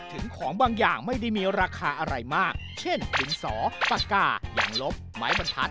ของบางอย่างไม่ได้มีราคาอะไรมากเช่นดินสอปากกายังลบไม้บรรทัศ